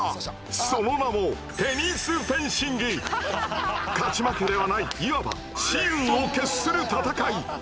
その名も勝ち負けではないいわば「雌雄を決する」戦い。